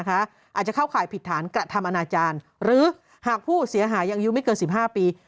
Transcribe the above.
อาจจะเข้าข่ายผิดฐานกระทำอนาจารย์หรือหากผู้เสียหายยังอายุไม่เกิน๑๕ปี